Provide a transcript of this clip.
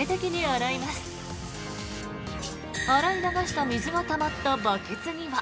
洗い流した水がたまったバケツには。